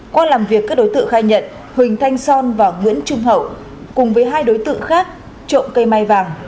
qua làm việc các đối tượng khai nhận huỳnh thanh son và nguyễn trung hậu cùng với hai đối tượng khác trộm cây mai vàng